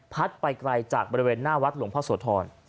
ไปไกลจากบริเวณหน้าวัดหลวงพ่อโสธร